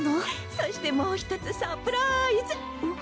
そしてもう１つサプラーイズ！